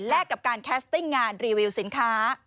และกับการแคสติ้งงานรีวิวสินค้า